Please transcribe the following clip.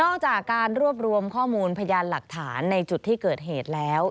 จากการรวบรวมข้อมูลพยานหลักฐานในจุดที่เกิดเหตุแล้ว